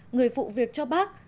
người phụ việc cho bác